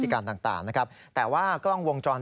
สีเงินควบควบควบควบควบควบควบ